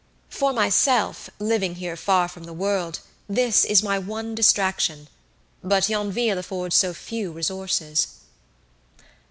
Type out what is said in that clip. For myself, living here far from the world, this is my one distraction; but Yonville affords so few resources."